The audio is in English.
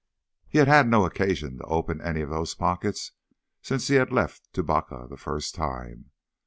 He had had no occasion to open any of those pockets since he had left Tubacca the first time.